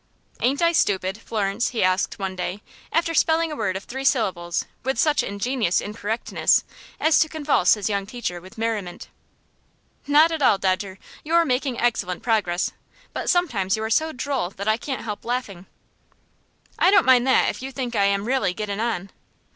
"Ain't I stupid, Florence?" he asked one day, after spelling a word of three syllables with such ingenious incorrectness as to convulse his young teacher with merriment. "Not at all, Dodger. You are making excellent progress; but sometimes you are so droll that I can't help laughing." "I don't mind that if you think I am really gettin' on."